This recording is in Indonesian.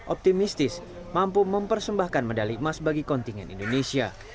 optimistis mampu mempersembahkan medali emas bagi kontingen indonesia